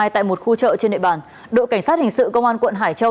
tại một khu chợ trên địa bàn đội cảnh sát hình sự công an quận hải châu